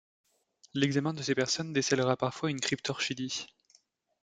L’examen de ces personnes décèlera parfois une cryptorchidie.